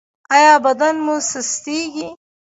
ایا بدن مو سستیږي؟